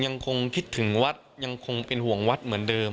ยังคงคิดถึงวัดยังคงเป็นห่วงวัดเหมือนเดิม